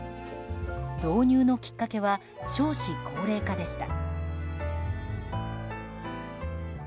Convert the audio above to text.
導入のきっかけは少子高齢化でした。